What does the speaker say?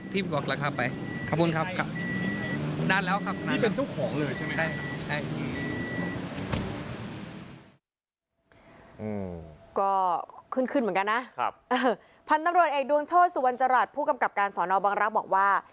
พันธุ์ตำรวจเอกดวงโชชสุวัญจรรย์ผู้กำกับการสอนอบังรับบอกว่า